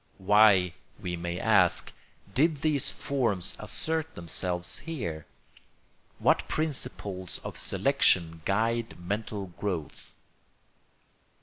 Why, we may ask, did these forms assert themselves here? What principles of selection guide mental growth?